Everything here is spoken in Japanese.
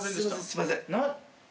すいません。